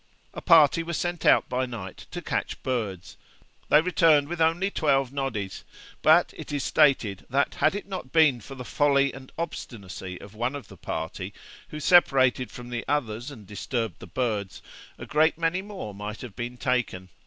A party was sent out by night to catch birds; they returned with only twelve noddies, but it is stated, that, had it not been for the folly and obstinacy of one of the party, who separated from the others and disturbed the birds, a great many more might have been taken.